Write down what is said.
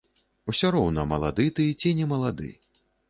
Усё роўна, малады ты ці не малады.